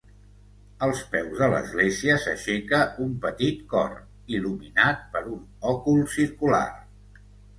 Als peus de l'església s'aixeca un petit cor, il·luminat per un òcul circular.